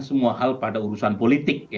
semua hal pada urusan politik